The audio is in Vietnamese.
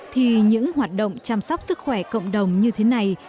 thì những hoạt động chăm sóc sức khỏe cộng đồng như thế này